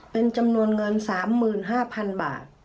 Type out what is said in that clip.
เป็นจำนวนเงิน๓๕๐๐๐บาท